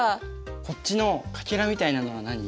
こっちのかけらみたいなのは何？